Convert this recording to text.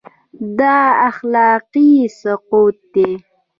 دا اخلاقي سقوط دی.